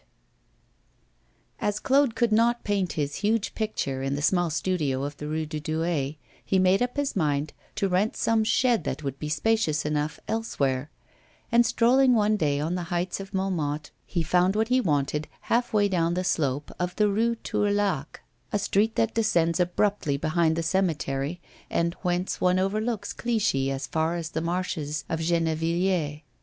IX AS Claude could not paint his huge picture in the small studio of the Rue de Douai, he made up his mind to rent some shed that would be spacious enough, elsewhere; and strolling one day on the heights of Montmartre, he found what he wanted half way down the slope of the Rue Tourlaque, a street that descends abruptly behind the cemetery, and whence one overlooks Clichy as far as the marshes of Gennevilliers.